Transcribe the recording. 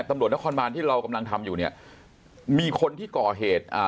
ตำรวจนครบานที่เรากำลังทำอยู่เนี่ยมีคนที่ก่อเหตุอ่า